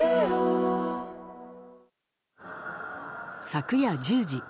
昨夜１０時。